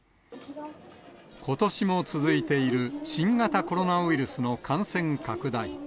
ことしも続いている新型コロナウイルスの感染拡大。